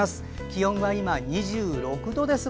気温は今、２６度です。